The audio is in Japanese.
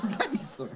それ。